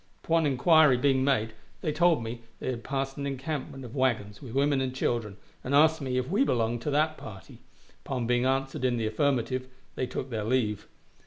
Upon inquiry being made, they told me they had passed an encampment of wagons, with women and children, and asked me if we belonged to that party. Upon being answered in the affirmative, they took their leave.